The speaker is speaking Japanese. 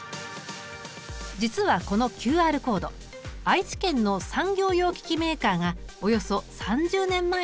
実はこのＱＲコード愛知県の産業用機器メーカーがおよそ３０年前に開発したもの。